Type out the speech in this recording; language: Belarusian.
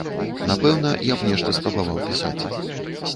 Напэўна, я б нешта спрабаваў пісаць.